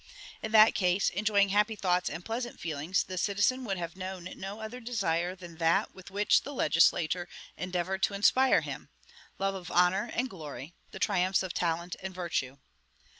In that case, enjoying happy thoughts and pleasant feelings, the citizen would have known no other desire than that with which the legislator endeavored to inspire him, love of honor and glory, the triumphs of talent and virtue.